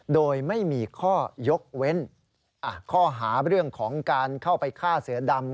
โดยไม่มีข้อยกเว้นข้อหาเรื่องของการเข้าไปฆ่าเสือดำ